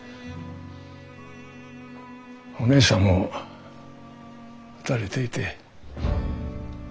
お姉さんも撃たれていて。